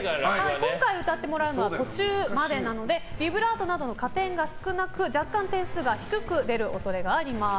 今回、歌ってもらうのは途中までなのでビブラートなどの加点が少なく若干、点数が低く出る恐れがあります。